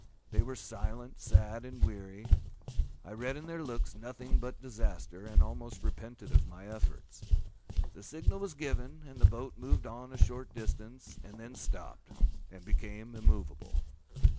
They were silent, sad, and weary. I read in their looks nothing but disaster, and almost repented of my efforts. The signal was given, and the boat moved on a short distance, and then stopped, and became immovable.